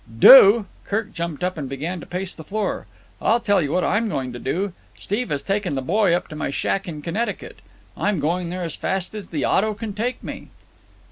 "Do!" Kirk jumped up and began to pace the floor. "I'll tell you what I'm going to do. Steve has taken the boy up to my shack in Connecticut. I'm going there as fast as the auto can take me."